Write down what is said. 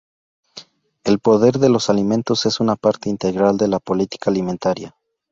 El poder de los alimentos es una parte integral de la política alimentaria.